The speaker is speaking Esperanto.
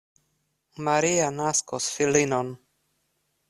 Maria naskos filinon.